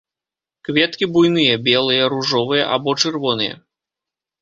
Кветкі буйныя, белыя, ружовыя або чырвоныя.